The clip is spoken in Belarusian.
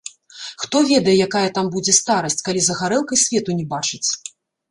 Хто ведае, якая там будзе старасць, калі за гарэлкай свету не бачыць.